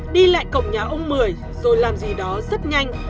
đi lại cộng nhà ông mười rồi làm gì đó rất nhanh